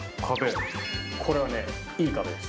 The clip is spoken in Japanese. これはねいい壁です。